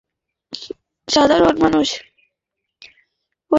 সাধারণ মানুষকে জিম্মি করে বেশির ভাগ ক্ষেত্রে তাদের দাবিও আদায় করছেন।